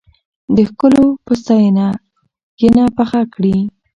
د ښکلو په ستاينه، ينه پخه کړې